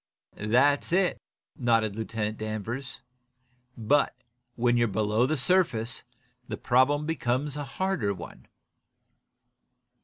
"That's it," nodded Lieutenant Danvers. "But, when you're below the surface, the problem becomes a harder one."